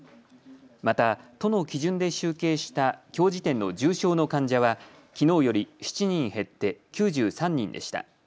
また、都の基準で集計したきょう時点の重症の患者はきのうより７人減って９３人でした。